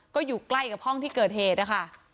ก็อยู่ใกล้กับห้องที่เกิดเหตุนะคะ